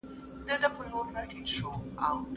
هغه په ډېر واک او صلاحیت سره کندهار ته راروان شو.